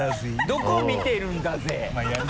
「どこ見てるんだぜぇ」？